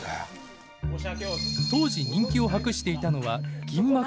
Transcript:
当時人気を博していたのは銀幕のスターたち。